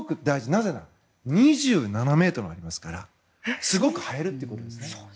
なぜなら、２７ｍありますからすごく映えるってことですね。